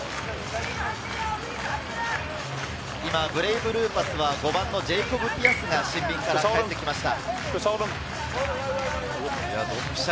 今、ブレイブルーパスは５番のジェイコブ・ピアスがシンビンから帰ってきました。